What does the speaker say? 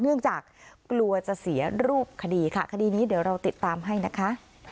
เนื่องจากกลัวจะเสียรูปคดีค่ะคดีนี้เดี๋ยวเราติดตามให้นะคะ